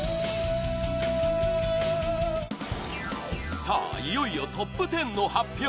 さあ、いよいよトップ１０の発表！